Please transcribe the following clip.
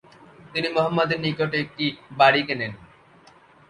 তিনি মুহাম্মাদের নিকটে একটি বাড়ি কেনেন।